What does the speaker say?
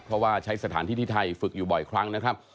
เพราะว่าใช้สถานที่ที่ไทยฝึกอยู่บ่อยครั้งนะครับ